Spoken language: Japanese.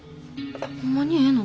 ほんまにええの？